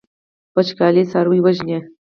وچکالي څاروي وژني.